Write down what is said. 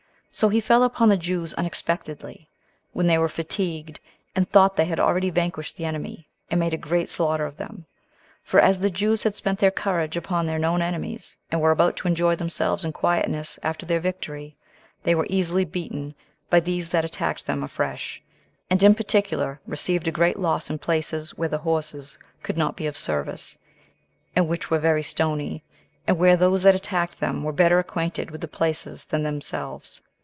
So he fell upon the Jews unexpectedly, when they were fatigued, and thought they had already vanquished the enemy, and made a great slaughter of them; for as the Jews had spent their courage upon their known enemies, and were about to enjoy themselves in quietness after their victory, they were easily beaten by these that attacked them afresh, and in particular received a great loss in places where the horses could not be of service, and which were very stony, and where those that attacked them were better acquainted with the places than themselves.